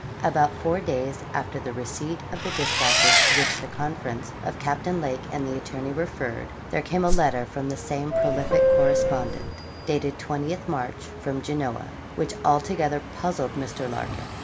About four days after the receipt of the despatches to which the conference of Captain Lake and the attorney referred, there came a letter from the same prolific correspondent, dated 20th March, from Genoa, which altogether puzzled Mr. Larkin.